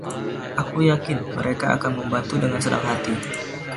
Aku yakin mereka akan membantu dengan senang hati.